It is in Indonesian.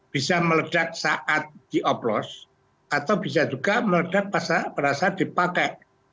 bisa meledak saat dioplos atau bisa juga meledak saat dipakai